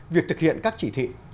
việc thực hiện các chỉ thị